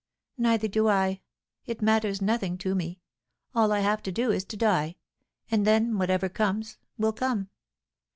"Neither do I. It matters nothing to me. All I have to do is to die, and then whatever comes will come.